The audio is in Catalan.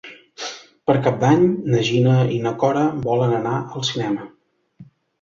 Per Cap d'Any na Gina i na Cora volen anar al cinema.